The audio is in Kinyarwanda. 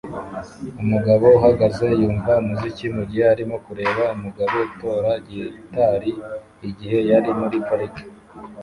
Umugabo uhagaze yumva umuziki mugihe arimo kureba umugabo utora gitari igihe yari muri parike